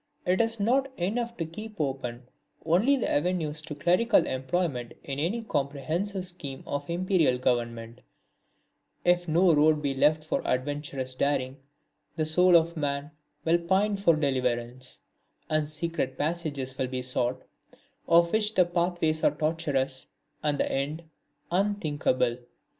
It is not enough to keep open only the avenues to clerical employment in any comprehensive scheme of Imperial Government if no road be left for adventurous daring the soul of man will pine for deliverance, and secret passages still be sought, of which the pathways are tortuous and the end unthinkable.